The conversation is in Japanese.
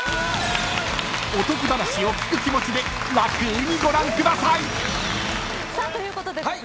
［おとぎ話を聞く気持ちで楽にご覧ください！］ということでですね